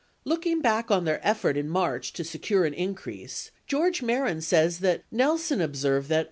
34 Looking back on their effort in March to secure an increase, George Mehren says that Nelson observed that